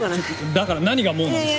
だから何がもうなんですか？